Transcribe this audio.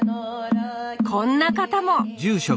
こんな方も！